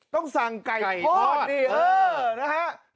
ต้องสั่งไก่ทอด